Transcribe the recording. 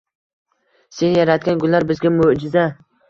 Sen yaratgan gullar – bizga mo‘’jiza